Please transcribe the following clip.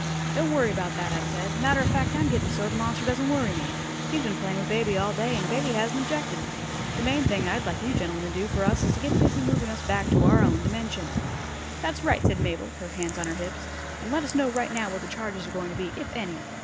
"Don't worry about that," I said. "Matter of fact, I'm getting so the monster doesn't worry me. He's been playing with baby all day and baby hasn't objected. The main thing I'd like you gentlemen to do for us is to get busy moving us back to our own dimension." "That's right," said Mabel, her hands on her hips. "And let us know right now what the charges are going to be, if any."